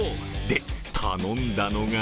で、頼んだのが。